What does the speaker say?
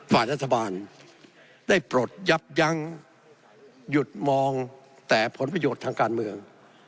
ฝ่ายรัฐบาลได้ปลดยับยั้งหยุดมองแต่ผลประโยชน์ทางการเมือง